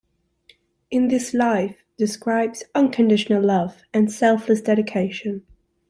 "In This Life" describes unconditional love and "selfless dedication.